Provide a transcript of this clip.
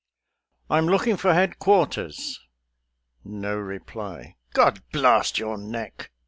"I'm looking for headquarters." No reply. "God blast your neck!"